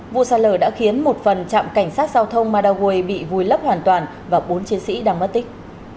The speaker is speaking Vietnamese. vụ sạt lở đã khiến một phần trạm cảnh sát giao thông madaway bị vùi lấp hoàn toàn và bốn chiến sĩ đang mất tích